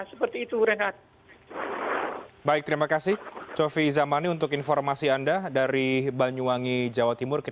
seperti itu rai